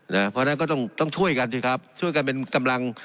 เพราะฉะนั้นก็ต้องช่วยกันสิครับช่วยกันเป็นกำลัง